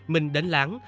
mình đến láng